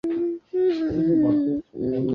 阿尔迪耶格。